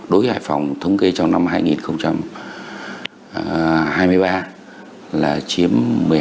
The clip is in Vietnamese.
đối với hải phòng thống kê trong năm hai nghìn hai mươi ba là chiếm một mươi hai